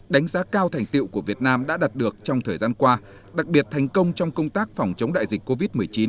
đánh giá cao thành tiệu của việt nam đã đạt được trong thời gian qua đặc biệt thành công trong công tác phòng chống đại dịch covid một mươi chín